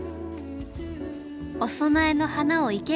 お供えの花を生けること。